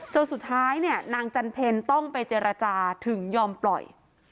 จนสุดท้ายเนี่ยนางจันเพลต้องไปเจรจาถึงยอมปล่อย